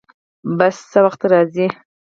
بس څه وخت راځي؟